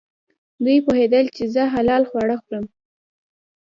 دوی پوهېدل چې زه حلال خواړه خورم.